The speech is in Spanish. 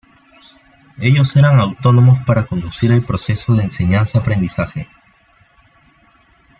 Ellos eran autónomos para conducir el proceso de enseñanza-aprendizaje.